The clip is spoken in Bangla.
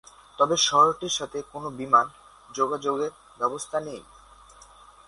তবে শহরটির সাথে কোন বিমান যোগাযোগের ব্যবস্থা নেই।